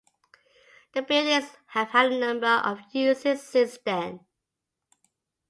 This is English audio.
The buildings have had a number of uses since then.